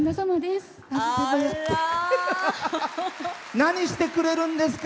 何してくれるんですか？